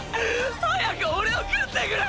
早くオレを食ってくれ！！